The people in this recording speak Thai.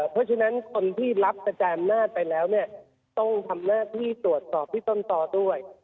เพราะฉะนั้นคนที่รับกระจายอำนาจไปแล้วเนี่ยต้องทำหน้าที่ตรวจสอบที่ต้นต่อด้วย